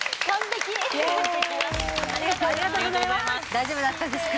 大丈夫だったですか？